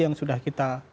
yang sudah kita